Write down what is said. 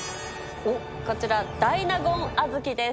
こちら大納言あずきです。